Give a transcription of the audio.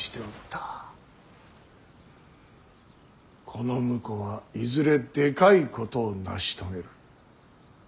この婿はいずれでかいことを成し遂げる。